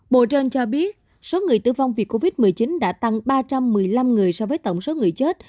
bộ trên cho biết số người tử vong vì covid một mươi chín đã tăng ba trăm một mươi năm người so với tổng số người chết